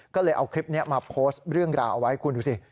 ก็เลยเอาคลิปนี้มาโพสต์เรื่องราวเอาไว้คุณดูสิ